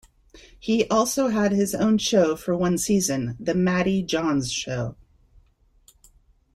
He also had his own show for one season, "The Matty Johns Show".